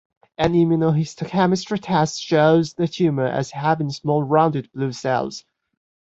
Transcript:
An immunohistochemistry test shows the tumour as having small rounded blue cells.